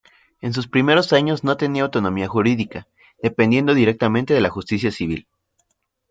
En sus primeros años no tenía autonomía jurídica, dependiendo directamente de la Justicia civil.